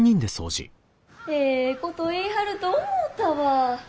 ええこと言いはると思うたわ。